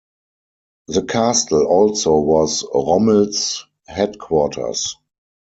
The castle also was Rommel's headquarters.